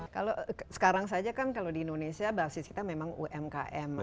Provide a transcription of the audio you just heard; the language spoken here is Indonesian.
kalau sekarang saja kan kalau di indonesia basis kita memang umkm